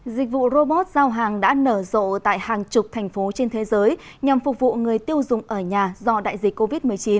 dịch vụ robot giao hàng đã nở rộ tại hàng chục thành phố trên thế giới nhằm phục vụ người tiêu dùng ở nhà do đại dịch covid một mươi chín